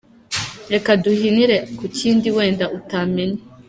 Reka duhinire ku kindi wenda utamenye.